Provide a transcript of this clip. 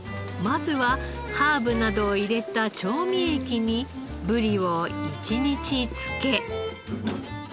まずはハーブなどを入れた調味液にブリを１日漬け。